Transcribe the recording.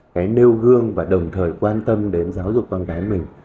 cái nêu gương và đồng thời quan tâm đến giáo dục con cái mình